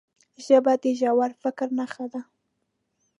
ژبه د ژور فکر نښه ده